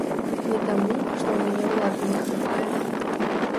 Не таму, што ў мяне ўлады не хапае.